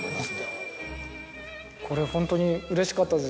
これホントにうれしかったです。